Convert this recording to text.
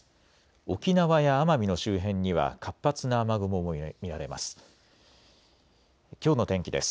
沖縄や奄美の周辺には活発な雨雲も見られます。